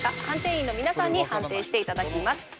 判定員の皆さんに判定して頂きます。